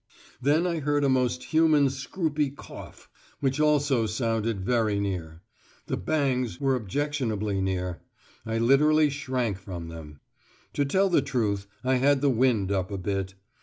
Then I heard a most human scroopy cough, which also sounded very near. The "bangs" were objectionably near; I literally shrank from them. To tell the truth, I had the "wind up" a bit.